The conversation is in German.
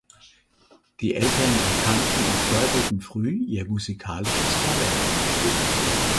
Die Eltern erkannten und förderten früh ihr musikalisches Talent.